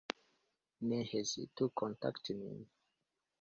Ne hezitu kontakti min.